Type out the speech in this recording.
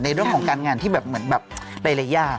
ในเรื่องของการงานที่แบบหลายอย่างอะไรอย่าง